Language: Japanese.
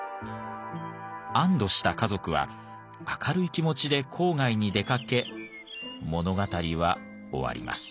安堵した家族は明るい気持ちで郊外に出かけ物語は終わります。